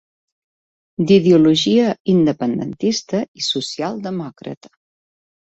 D'ideologia independentista i socialdemòcrata.